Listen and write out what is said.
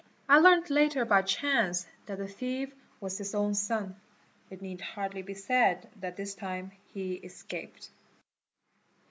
I learnt later by chance that the thief was his own son: it need hardly be said that this time he escaped.